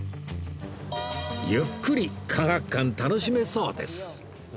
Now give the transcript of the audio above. ゆっくり科学館楽しめそうです